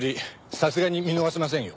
さすがに見逃せませんよ。